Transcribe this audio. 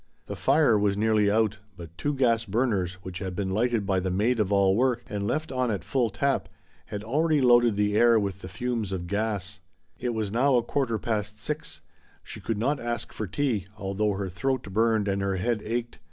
The fire was nearly out, but two gas burners, which had been lighted by the maid of all work and left on at full tap, had already loaded the air with fumes of gas. It was now a quarter past six ; she could not ask for tea, although her throat burned and her head ached.